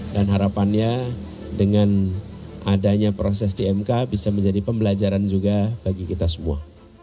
dan harapannya dengan adanya proses di mk bisa menjadi pembelajaran juga bagi kita semua